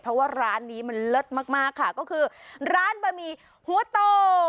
เพราะว่าร้านนี้มันเลิศมากมากค่ะก็คือร้านบะหมี่หัวโต